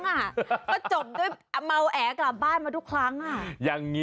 ก็จบด้วยเมาแอกลับบ้านมาทุกครั้งอ่ะ